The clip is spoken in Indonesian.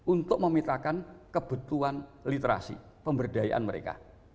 untuk memitakan kebutuhan literasi pemberdayaan mereka